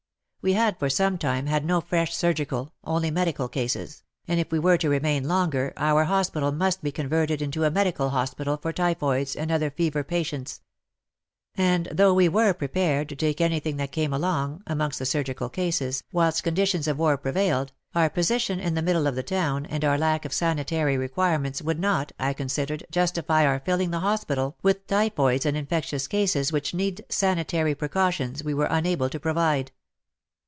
We had for some time had no fresh surgical, only medical cases, and if we were to remain longer, our hospital must be converted into a medical hospital for typhoids and other fever patients. And though we were prepared to take anything that came along, amongst the surgical cases, whilst conditions of war prevailed, our position in the middle of the town, and our lack of sanitary requirements, would not, I con considered, justify our filling the hospital with typhoids and infectious cases which need sanitary precautions we were unable to provide.